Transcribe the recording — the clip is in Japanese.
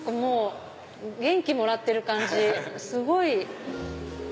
元気もらってる感じすごい。